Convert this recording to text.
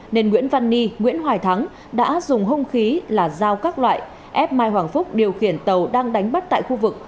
nên nguyễn văn ni nguyễn hoài thắng đã dùng hung khí là dao các loại ép mai hoàng phúc điều khiển tàu đang đánh bắt tại khu vực